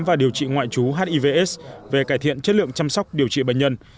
và điều trị ngoại trú hiv aids về cải thiện chất lượng chăm sóc điều trị bệnh nhân